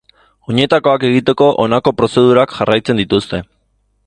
Oinetakoak egiteko honako prozedurak jarraitzen dituzte.